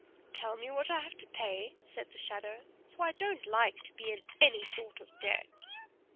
"Tell me what I have to pay," said the shadow; "for I don't like to be in any sort of debt."